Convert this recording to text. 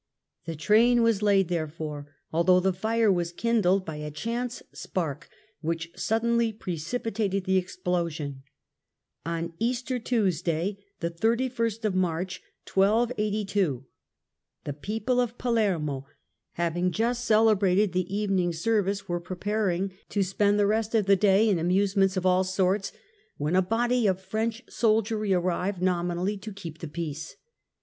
The train was laid, therefore, although the fire w^as kindled by a Sicilian chauce spark which suddenly precipitated the explosion. sistMarch. On Easter Tuesday the people of Palermo, having just ^^^'^ celebrated the evening service, were preparing to spend ITALY, 1273 1313 39 the rest of the day in amusements of all sorts, when a body of French soldiery arrived, nominally to keep the peace.